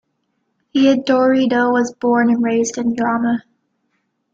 Theodoridou was born and raised in Drama.